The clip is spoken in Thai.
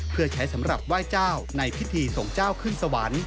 เพื่อใช้สำหรับไหว้เจ้าในพิธีส่งเจ้าขึ้นสวรรค์